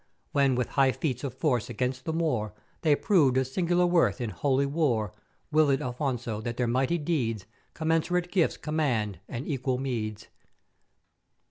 When with high feats of force against the Moor they proved of sing'ular worth in Holy War, willèd Afonso that their mighty deeds commens'urate gifts command and equal meeds.